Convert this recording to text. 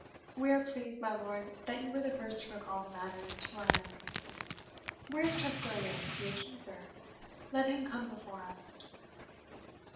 We are pleased, my lord, that you were the first to recall the matter to our memory. Where is Tressilian, the accuser? let him come before us."